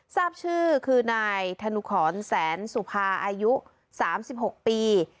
ทราบชื่อคือนายธนุขรแสนสุภาอายุ๓๖ปี